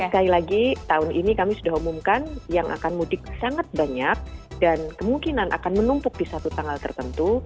sekali lagi tahun ini kami sudah umumkan yang akan mudik sangat banyak dan kemungkinan akan menumpuk di satu tanggal tertentu